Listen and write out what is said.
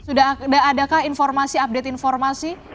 sudah adakah informasi update informasi